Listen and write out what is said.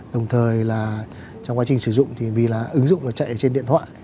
đồng thời trong quá trình sử dụng vì ứng dụng chạy trên điện thoại